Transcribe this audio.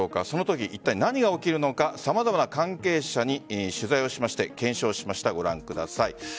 そのとき、いったい何が起きるのか様々な関係者に取材をしまして、検証しましたご覧ください。